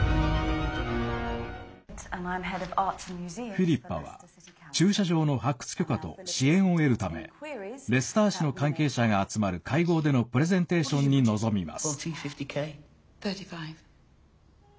フィリッパは駐車場の発掘許可と支援を得るためレスター市の関係者が集まる会合でのプレゼンテーションに臨みます。